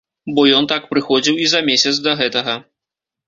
Бо ён так прыходзіў і за месяц да гэтага.